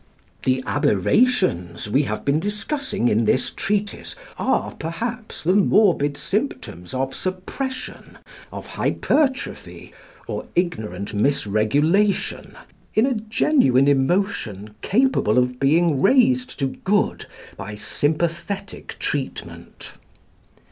The aberrations we have been discussing in this treatise are perhaps the morbid symptoms of suppression, of hypertrophy, of ignorant misregulation, in a genuine emotion capable of being raised to good by sympathetic treatment.